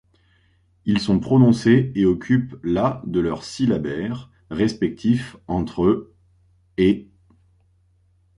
Ils sont prononcés et occupent la de leur syllabaire respectif, entre む et も.